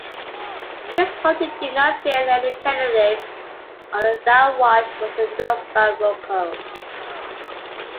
His party did not fill any candidates other than what was endorsed by Roco.